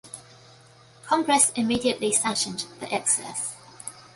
Congress immediately sanctioned the excess.